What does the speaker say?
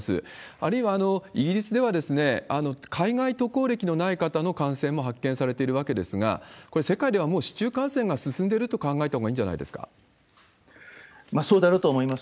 あるいはイギリスでは海外渡航歴のない方の感染も発見されているわけですが、これ、世界ではもう市中感染が進んでると考えたほうがいいんじゃないでそうだろうと思います。